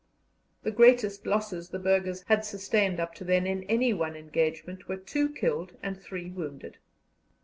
The greatest losses the burghers had sustained up to then in any one engagement were two killed and three wounded.